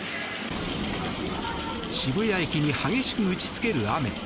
渋谷駅に激しく打ちつける雨。